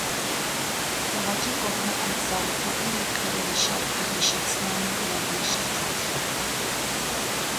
Քաղաքի կողմէ այդ զառիթափերը կը յիշեցնեն լեռնաշղթայ։